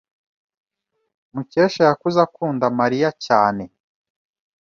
Mukesha yakuze akunda Mariya cyane.